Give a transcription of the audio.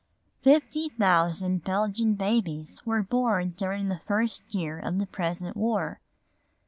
Fifty thousand Belgian babies were born during the first year of the present war.